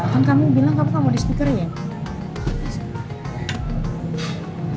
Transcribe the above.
kan kamu bilang kamu mau di speaker nya ya